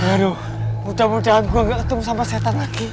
aduh mudah mudahan gue gak ketemu sama setan lagi